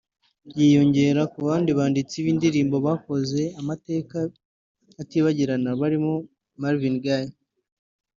yiyongera ku bandi banditsi b’indirimbo bakoze amateka atibagirana barimo Marvin Gaye